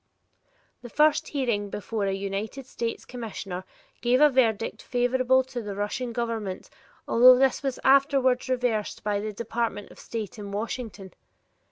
The first hearing before a United States Commissioner gave a verdict favorable to the Russian Government although this was afterward reversed by the Department of State in Washington.